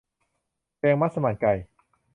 แกงมัสมั่นไก่